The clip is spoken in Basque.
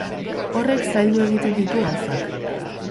Horrek zaildu egiten ditu gauzak.